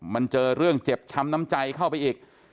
มันเจอเรื่องเจ็บช้ำน้ำใจเข้าไปอีก